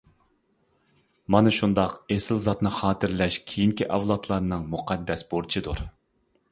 مانا شۇنداق ئېسىل زاتنى خاتىرىلەش كېيىنكى ئەۋلادلارنىڭ مۇقەددەس بۇرچىدۇر.